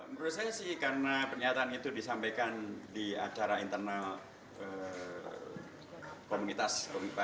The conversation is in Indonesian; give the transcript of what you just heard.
menurut saya sih karena pernyataan itu disampaikan di acara internal komunitas hobipa